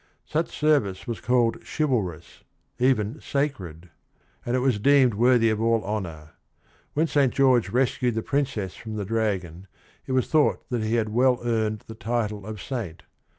Such service was called chivalrous, even sacred, and it was deemed worthy of all honor. When Saint George rescued the princess from the dragon, it was thought he had well earned the title of "saint."